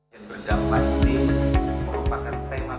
yang berjampang ini merupakan tema besar